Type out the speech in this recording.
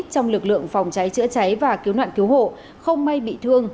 trong lực lượng phòng cháy chữa cháy và cứu nạn cứu hộ không may bị thương